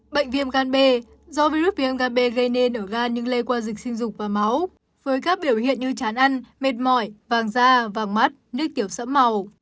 bệnh viêm gan b do virus viêm gab gây nên ở ga nhưng lây qua dịch sinh dục và máu với các biểu hiện như chán ăn mệt mỏi vàng da vàng mắt nước tiểu sẫm màu